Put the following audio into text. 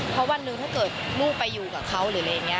เพราะวันหนึ่งถ้าเกิดลูกไปอยู่กับเขาหรืออะไรอย่างนี้